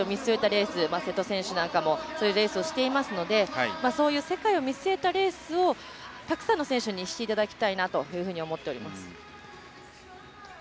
レース瀬戸選手なんかもそういうレースをしていますのでそういう世界を見据えたレースをたくさんの選手にしていただきたいなというふうに思っております。